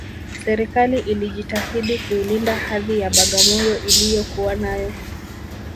Serikali ijitahidi kuilinda hadhi ya Bagamoyo iliyokuwa nayo